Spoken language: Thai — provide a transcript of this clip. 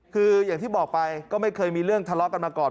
คืออย่างที่บอกไปก็ไม่เคยมีเรื่องทะเลาะกันมาก่อน